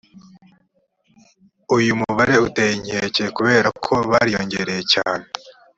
uyu mubare uteye inkeke kubera ko bariyongereye cyane